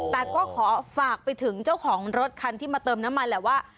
แต่ก็ขอฝากไปถึงเจ้าของรถคันที่มาเติมน้ำมันแหละว่า